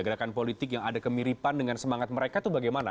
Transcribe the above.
gerakan politik yang ada kemiripan dengan semangat mereka itu bagaimana